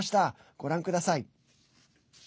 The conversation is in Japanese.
ご覧ください。